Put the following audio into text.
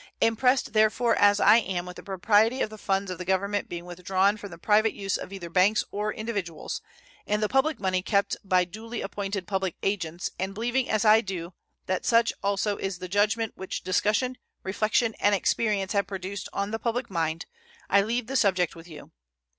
Impressed, therefore, as I am with the propriety of the funds of the Government being withdrawn from the private use of either banks or individuals, and the public money kept by duly appointed public agents, and believing as I do that such also is the judgment which discussion, reflection, and experience have produced on the public mind, I leave the subject with you.